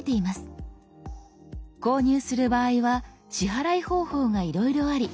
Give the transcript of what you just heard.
購入する場合は支払い方法がいろいろあり